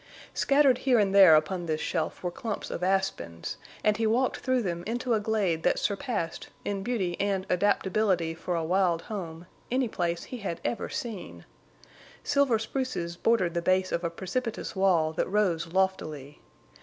Scattered here and there upon this shelf were clumps of aspens, and he walked through them into a glade that surpassed in beauty and adaptability for a wild home, any place he had ever seen. Silver spruces bordered the base of a precipitous wall that rose loftily.